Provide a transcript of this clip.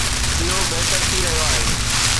اهو بهتر ٿي رهيو آهي.